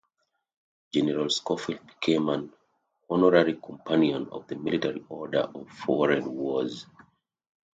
General Schofield became an honorary companion of the Military Order of Foreign Wars.